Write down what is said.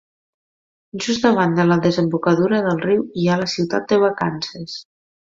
Just davant de la desembocadura del riu hi ha la Ciutat de Vacances.